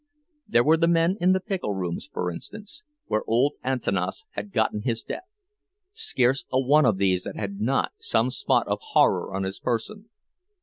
There were the men in the pickle rooms, for instance, where old Antanas had gotten his death; scarce a one of these that had not some spot of horror on his person.